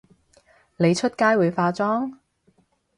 你出街會化妝？